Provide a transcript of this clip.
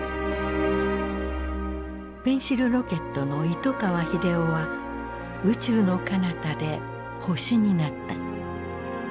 ペンシルロケットの糸川英夫は宇宙のかなたで星になった。